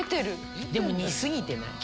でも似過ぎてない？